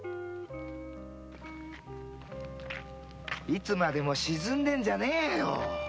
いつまでも沈んでるんじゃねぇよ